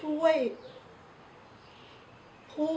แล้วบอกว่าไม่รู้นะ